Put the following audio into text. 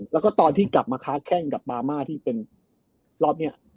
แล้วก็ตอนที่กลับมาค้าแข้งกับปามาที่เป็นรอบนี้